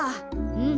うん。